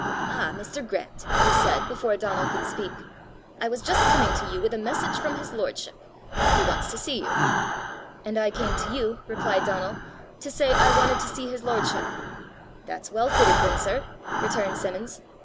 "Ah, Mr. Grant," he said, before Donal could speak, "I was just coming to you with a message from his lordship! He wants to see you." "And I came to you," replied Donal, "to say I wanted to see his lordship!" "That's well fitted, then, sir!" returned Simmons.